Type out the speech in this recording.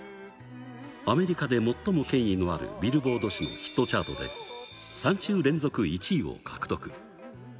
アメリカで最も権威のあるビルボード誌のヒットチャートで、３週連続１位を獲得。